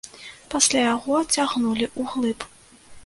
Пасля яго адцягнулі ўглыб.